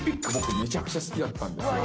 めちゃくちゃ好きだったんですよ。